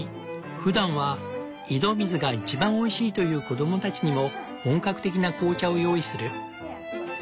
ふだんは「井戸水が一番おいしい」と言う子供たちにも本格的な紅茶を用意する。